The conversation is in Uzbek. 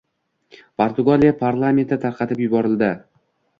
Portugaliya parlamenti tarqatib yuborilading